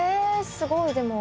すごいでも。